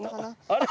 あれ？